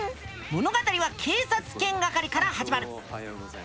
物語は警察犬係から始まる。